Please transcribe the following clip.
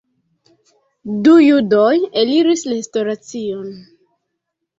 Du judoj eliris restoracion.